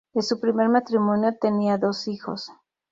De su primer matrimonio tenía dos hijos.